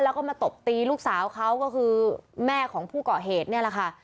แล้วก็มาตบตีลูกสาวเขาก็คือแม่ของผู้เกาะเหตุนี่แหละค่ะ